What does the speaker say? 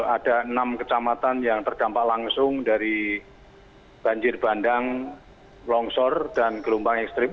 ada enam kecamatan yang terdampak langsung dari banjir bandang longsor dan gelombang ekstrim